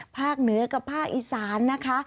เหนือกับภาคอีสานนะคะ